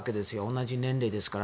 同じ年齢ですから。